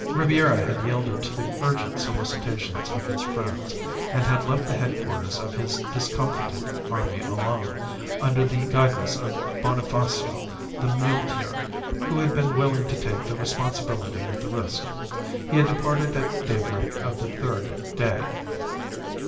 "Ribiera had yielded to the urgent solicitations of his friends, and had left the headquarters of his discomfited army alone, under the guidance of Bonifacio, the muleteer, who had been willing to take the responsibility with the risk. He had departed at daybreak of the third day.